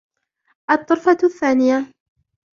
الطرفة الثانية